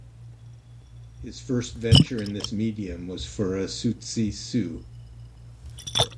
His first venture in this medium was for Siouxsie Sioux.